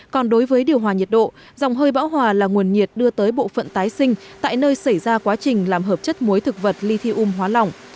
còn đối với điều hòa nhiệt độ dòng hơi bão hòa là nguồn nhiệt đưa tới bộ phận tái sinh tại nơi xảy ra quá trình làm hợp chất muối thực vật lithium hóa lỏng